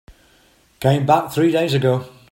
Came back three days ago.